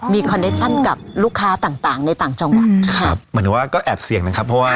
มีคอนเดชั่นกับลูกค้าต่างต่างในต่างจังหวัดครับหมายถึงว่าก็แอบเสี่ยงนะครับเพราะว่า